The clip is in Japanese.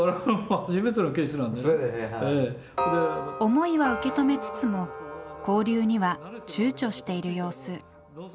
思いは受け止めつつも交流にはちゅうちょしている様子。